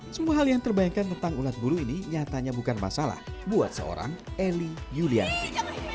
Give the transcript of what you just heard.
semua hal yang terbayangkan tentang ulat buru ini nyatanya bukan masalah buat seorang eli yulianti